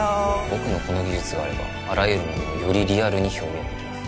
僕のこの技術があればあらゆる物をよりリアルに表現できます